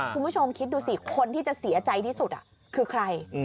คุณผู้ชมคิดดูสิคนที่จะเสียใจที่สุดคือใคร